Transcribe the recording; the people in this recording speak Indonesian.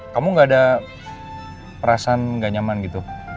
kamu gak ada perasaan gak nyaman gitu